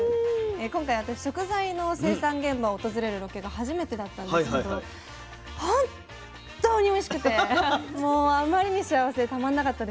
今回私食材の生産現場を訪れるロケが初めてだったんですけどほんとにおいしくてもうあまりに幸せでたまんなかったです。